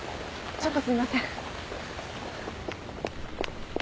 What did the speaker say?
ちょっとすいません。